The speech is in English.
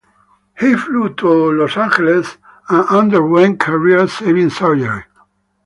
He flew to Los Angeles and underwent career-saving surgery.